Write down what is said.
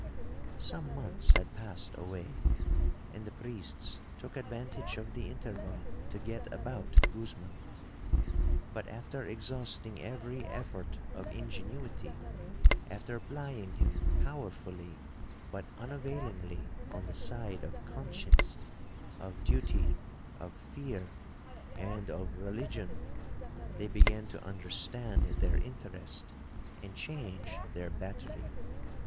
'Some months had passed away, and the priests took advantage of the interval to get about Guzman. But after exhausting every effort of ingenuity,—after plying him powerfully but unavailingly on the side of conscience, of duty, of fear, and of religion,—they began to understand their interest, and change their battery.